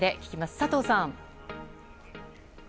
佐藤さん。